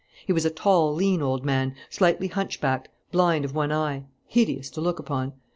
He was a tall, lean old man, slightly hunchbacked, blind of one eye, hideous to look upon.